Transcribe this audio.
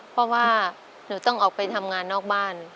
เพราะว่าหนูต้องออกไปทำงานนอกบ้าน